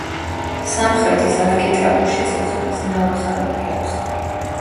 სამხრეთის არქიტრავულ შესასვლელს ნაოთხალები აქვს.